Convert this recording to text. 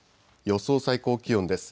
予想最高気温です。